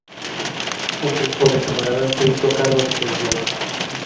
Un grupo de camaradas se hizo cargo de su entierro.